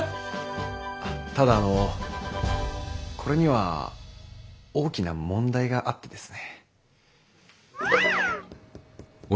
ただあのこれには大きな問題があってですね。